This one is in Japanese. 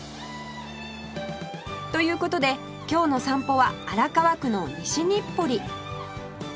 という事で今日の散歩は荒川区の西日暮里